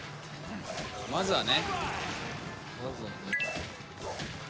まずはね。